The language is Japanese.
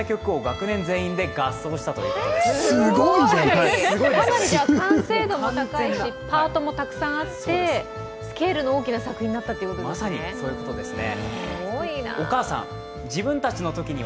かなり完成度も高いし、パートもたくさんあって、スケールの大きな作品になったということですね。